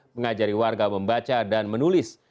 mengajari warga membaca dan menulis